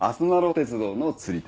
鉄道のつり手。